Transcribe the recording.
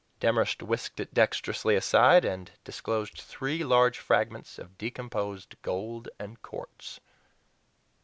Demorest whisked it dexterously aside, and disclosed three large fragments of decomposed gold and quartz.